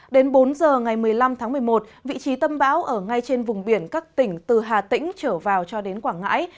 đến bốn giờ ngày một mươi năm tháng một mươi một vị trí tâm bão ở ngay trên vùng biển các tỉnh từ hà tĩnh trở vào cho đến quảng ngãi